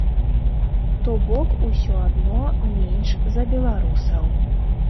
То бок усё адно менш за беларусаў.